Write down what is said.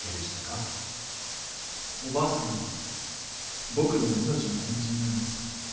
おばあさんは僕の命の恩人なんです。